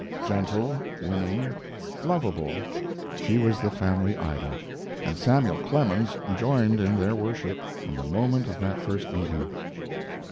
Gentle, winning, lovable, she was the family idol, and Samuel Clemens joined in their worship from the moment of that first meeting.